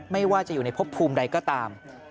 ไม่ว่าจะอยู่ในพบภูมิใดก็ตาม